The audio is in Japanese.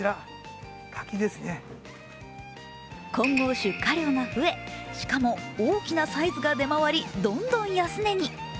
今後出荷量が増え、しかも大きなサイズが出回り、どんどん安値に。